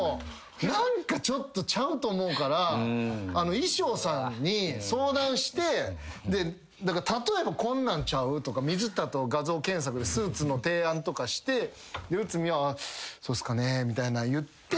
衣装さんに相談して例えばこんなんちゃう？とか水田と画像検索スーツの提案とかして内海はそうっすかねみたいなん言って。